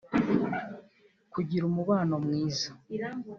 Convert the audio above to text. kugira umubano mwiza